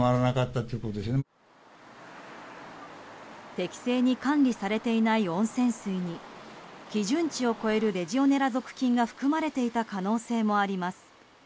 適正に管理されていない温泉水に基準値を超えるレジオネラ属菌が含まれていた可能性もあります。